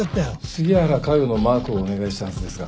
杉原佳代のマークをお願いしたはずですが？